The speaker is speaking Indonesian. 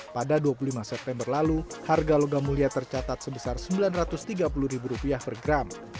pada dua puluh lima september lalu harga logam mulia tercatat sebesar rp sembilan ratus tiga puluh per gram